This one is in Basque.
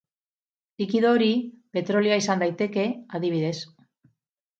Likido hori, petrolioa izan daiteke, adibidez.